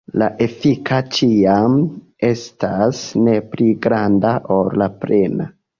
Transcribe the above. La efika ĉiam estas ne pli granda ol la plena.